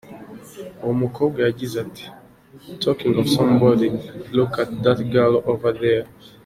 Uwo mukobwa yagize ati “Talking of somebody, look at that girl over there".